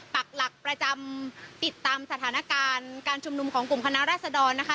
ปักหลักประจำติดตามสถานการณ์การชุมนุมของกลุ่มคณะรัศดรนะคะ